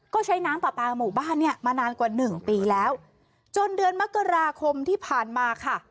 ก็ใช้น้ำปลาปลาหมู่บ้านเนี่ยมานานกว่าหนึ่งปีแล้วจนเดือนมกราคมที่ผ่านมาค่ะ